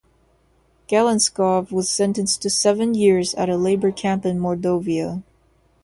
Galanskov was sentenced to seven years at a labor camp in Mordovia.